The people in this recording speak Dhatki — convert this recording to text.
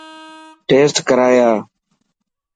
ٽيسٽ ڪرائي آءِ.